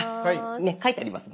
ねっ書いてありますもんね。